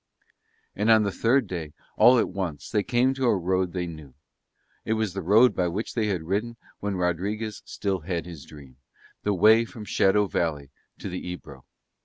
And on the third day all at once they came to a road they knew. It was the road by which they had ridden when Rodriguez still had his dream, the way from Shadow Valley to the Ebro.